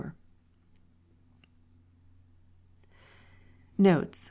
Notes.